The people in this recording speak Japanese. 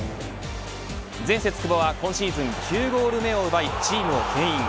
前節、久保は今シーズン９ゴール目を奪いチームをけん引。